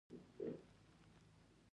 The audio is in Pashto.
آیا په کابل کې ښه هوټلونه شته؟